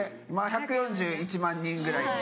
１４１万人ぐらい。